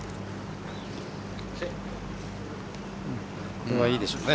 これはいいでしょうね。